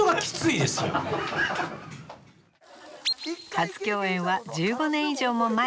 初共演は１５年以上も前。